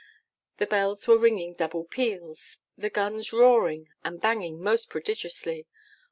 The bells were ringing double peals, the guns roaring and banging most prodigiously.